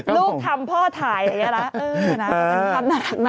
ลูกทำพ่อถ่ายอย่างนี้ละ